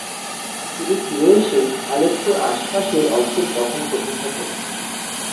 তিনি ফিরে এসে আলেপ্পোর আশেপাশের অঞ্চল দখল করতে থাকেন।